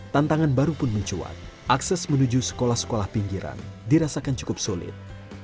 tantangan baru pun mencuat akses menuju sekolah sekolah pinggiran dirasakan cukup sulit